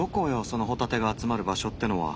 そのホタテが集まる場所ってのは。